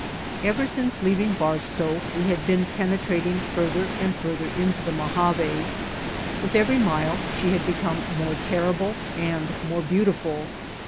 Ever since leaving Barstow we had been pene trating further and further into the Mojave. With every mile she had become more terrible and more beautiful.